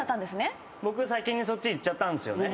僕先にそっちいっちゃったんすよね。